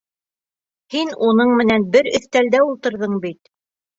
Һин уның менән бер өҫтәлдә ултырҙың бит.